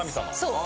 そう。